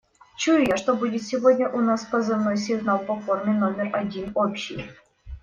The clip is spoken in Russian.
Чую я, что будет сегодня у нас позывной сигнал по форме номер один общий.